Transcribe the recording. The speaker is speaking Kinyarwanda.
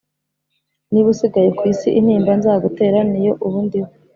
Niba usigaye ku isi Intimba nzagutera Niyo ubu ndiho